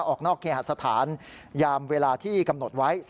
ออกนอกเคหสถานยามเวลาที่กำหนดไว้